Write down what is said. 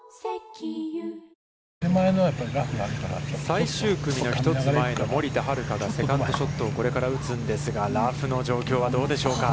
最終組の１つ前の森田遥が、セカンドショットをこれから打つんですが、ラフの状況はどうでしょうか。